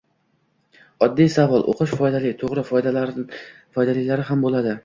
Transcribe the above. Oddiy savol. Oʻqish foydali, toʻgʻri foydalilari ham boʻladi.